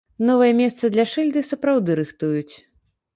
Новае месца для шыльды сапраўды рыхтуюць.